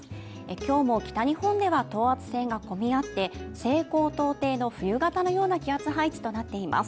今日も北日本では等圧線が混み合って、西高東低の冬型のような気圧配置となっています。